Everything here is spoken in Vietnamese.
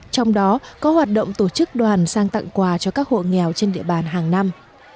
trong đó có hoạt động tổ chức đoàn sang tặng quà cho các hộ nghèo trên địa bàn hàng năm